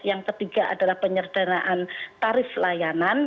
yang ketiga adalah penyerdanaan tarif layanan